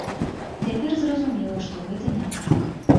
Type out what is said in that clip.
Цяпер зразумела, што гэта не так.